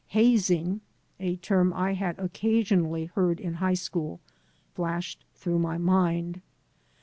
"Hazing" — ^a term I had occasionally heard in high school — ^flashed through my mind.